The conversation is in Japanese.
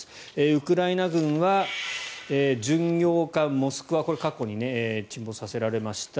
ウクライナ軍は巡洋艦「モスクワ」これは過去に沈没させられました